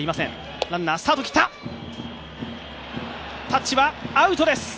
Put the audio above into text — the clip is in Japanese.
タッチはアウトです。